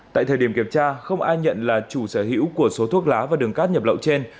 tại thời điểm kiểm tra không ai nhận là chủ sở hữu của số thuốc lá và đường cát nhập lậu trên